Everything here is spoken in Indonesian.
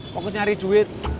fokus nyari duit